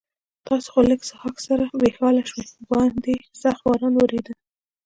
تاسې خو له لږ څښاک سره بې حاله شوي، باندې سخت باران ورېده.